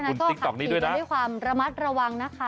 ขอบคุณติ๊กต๊อกนี้ด้วยนะว่าฉะนั้นก็ขับเร็วกันด้วยความระมัดระวังนะคะ